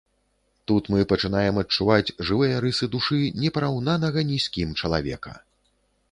Тут мы пачынаем адчуваць жывыя рысы душы не параўнанага ні з кім чалавека.